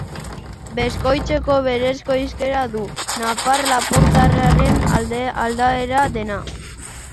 Beskoitzeko berezko hizkera du, nafar-lapurtarraren aldaera dena.